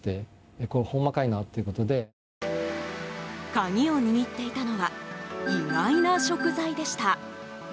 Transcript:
鍵を握っていたのは意外な食材でした。